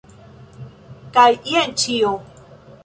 Kaj jen ĉio!